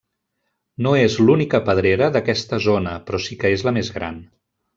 No és l'única pedrera d'aquesta zona, però sí que és la més gran.